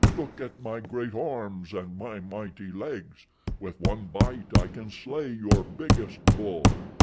Look at my great arms and my mighty legs. With one bite I can slay your biggest bull.